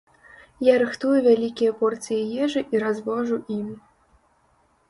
Я рыхтую вялікія порцыі ежы і развожу ім.